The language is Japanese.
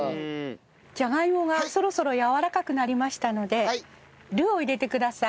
じゃがいもがそろそろやわらかくなりましたのでルーを入れてください。